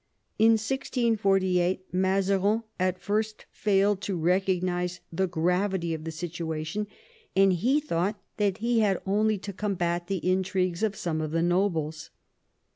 In 1648 Mazarin at first failed to recognise the gravity of the situation, and he thought that he had only to combat the intrigues of some of the nobles.